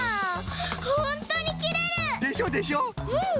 ほんとにきれる！でしょでしょ！